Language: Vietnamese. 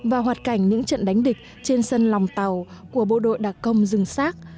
và hoạt cảnh những trận đánh địch trên sân lòng tàu của bộ đội đặc công rừng sát